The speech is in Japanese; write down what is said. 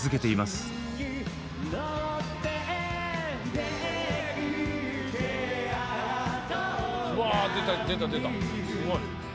すごい！